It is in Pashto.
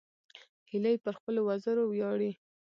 هیلۍ پر خپلو وزرو ویاړي